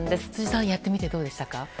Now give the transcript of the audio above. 辻さん、やってみてどうでしたか。